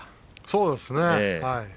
そうですね。